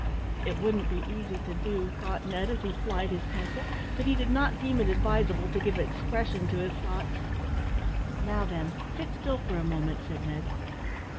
"It wouldn't be easy to do so," thought Ned, as he plied his pencil, but he did not deem it advisable to give expression to his thoughts. "Now, then, sit still for a moment," said Ned.